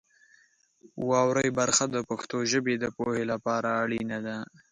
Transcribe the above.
واورئ برخه د پښتو ژبې د پوهې لپاره اړینه ده.